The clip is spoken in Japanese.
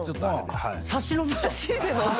差し飲みしたの。